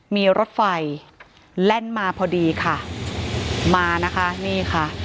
มีรถไฟแล่นมาพอดีค่ะมานะคะนี่ค่ะ